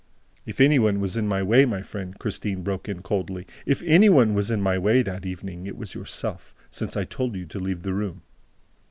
"If any one was in my way, my friend," Christine broke in coldly, "if any one was in my way, that evening, it was yourself, since I told you to leave the room!"